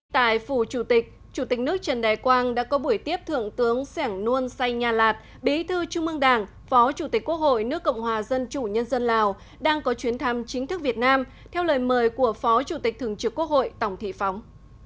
tại phủ chủ tịch chủ tịch nước trần đại quang đã có buổi tiếp thượng tướng sẻng nuôn say nha lạt bí thư trung mương đảng phó chủ tịch quốc hội nước cộng hòa dân chủ nhân dân lào đang có chuyến thăm chính thức việt nam theo lời mời của phó chủ tịch thường trực quốc hội tổng thị phóng